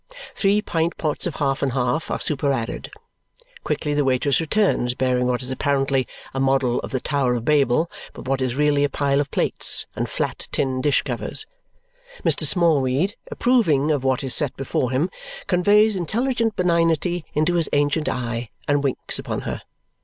Three pint pots of half and half are superadded. Quickly the waitress returns bearing what is apparently a model of the Tower of Babel but what is really a pile of plates and flat tin dish covers. Mr. Smallweed, approving of what is set before him, conveys intelligent benignity into his ancient eye and winks upon her.